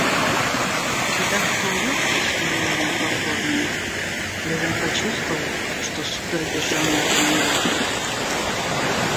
Увидав эту улыбку, смиренную и покорную, Левин почувствовал, что судороги сжимают ему горло.